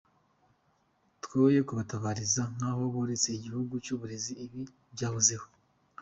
Twoye kubatabariza nk’aho boretse igihugu n’uburezi, ibi byahozeho.